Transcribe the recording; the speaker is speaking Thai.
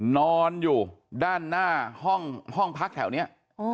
นอนอยู่ด้านหน้าห้องพักแถวนี้